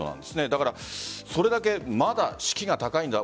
だから、それだけまだ士気が高いんだ。